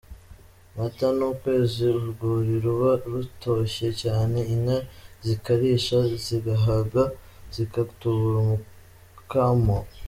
Mata : Ni ukwezi urwuri ruba rutoshye cyane, inka zikarisha zigahaga zigatubura umukamo.